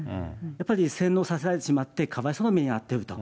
やっぱり洗脳させられてしまって、かわいそうな目に遭ってると。